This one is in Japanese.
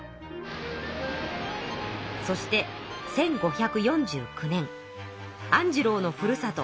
そして１５４９年アンジローのふるさと